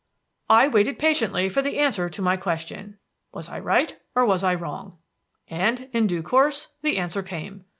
"I waited patiently for the answer to my question. Was I right or was I wrong? "And, in due course, the answer came.